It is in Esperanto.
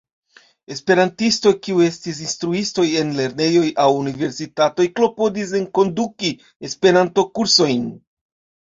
Esperantistoj kiu estis instruistoj en lernejoj aŭ universitatoj klopodis enkonduki Esperanto-kursojn.